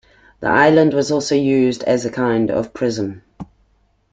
The island was also used as a kind of prison.